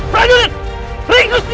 prajurit ringkus dia